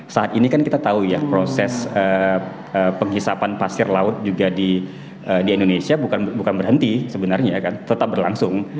saat ini kan kita tahu ya proses penghisapan pasir laut juga di indonesia bukan berhenti sebenarnya kan tetap berlangsung